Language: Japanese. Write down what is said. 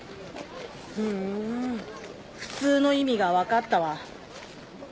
ふん普通の意味が分かったわ。